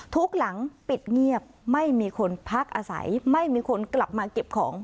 ทุกหลังปิดเงียบไม่มีคนพักอาศัยไม่มีคนกลับมาเก็บของ